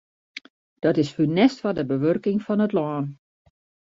Dat is funest foar de bewurking fan it lân.